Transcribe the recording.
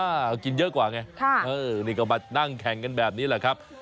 กินเยอะกว่าไงนี่ก็มานั่งแข่งกันแบบนี้แหละครับ